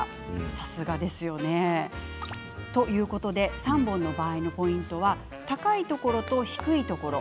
さすがですよね。ということで３本の場合のポイントは高いところと低いところ。